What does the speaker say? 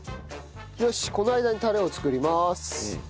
よしこの間にタレを作ります。